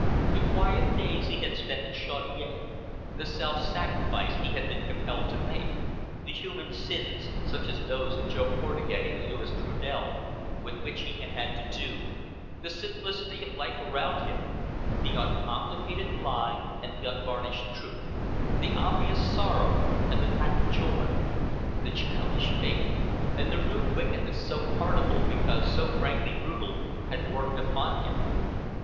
The quiet days he had spent in Chaudiere, the self sacrifice he had been compelled to make, the human sins, such as those of Jo Portugais and Louis Trudel, with which he had had to do, the simplicity of the life around him the uncomplicated lie and the unvarnished truth, the obvious sorrow and the patent joy, the childish faith, and the rude wickedness so pardonable because so frankly brutal had worked upon him.